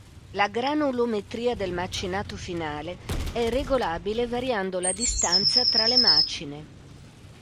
La granulometria del macinato finale è regolabile variando la distanza fra le macine.